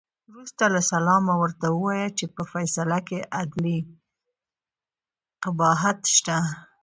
وروسته له سلامه ورته ووایه چې په فیصله کې عدلي قباحت شته.